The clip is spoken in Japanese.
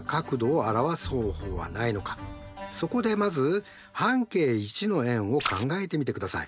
そこでまず半径１の円を考えてみてください。